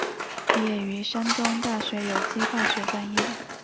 毕业于山东大学有机化学专业。